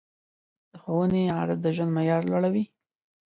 د ښوونې عادت د ژوند معیار لوړوي.